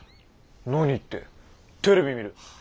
何ってテレビ見る。